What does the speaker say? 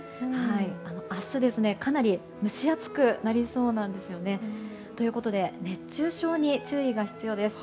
明日、かなり蒸し暑くなりそうなんですよね。ということで熱中症に注意が必要です。